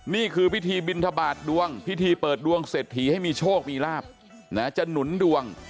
นี่คือพิธีบินทบาทดวงพิธีเปิดดวงเศรษฐีให้มีโชคมีลาบจะหนุนดวง